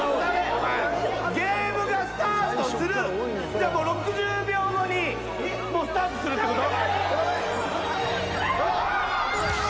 じゃあ６０秒後にスタートするってこと？